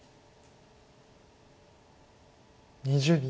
２０秒。